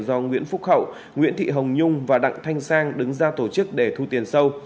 do nguyễn phúc hậu nguyễn thị hồng nhung và đặng thanh sang đứng ra tổ chức để thu tiền sâu